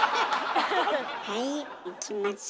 はいいきましょ。